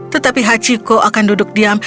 tetapi hachiko akan duduk diam